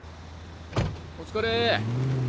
お疲れ。